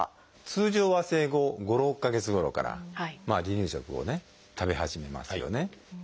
通常は生後５６か月ごろから離乳食を食べ始めますよね。